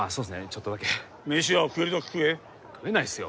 ちょっとだけ飯は食えるだけ食え食えないっすよ